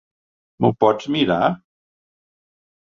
M'ho pots mirar?